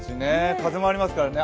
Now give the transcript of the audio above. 風もありますからね。